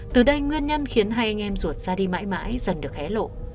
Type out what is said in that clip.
từ đây nguyên nhân khiến hai anh em ruột ra đi mãi mãi dần được hé lộ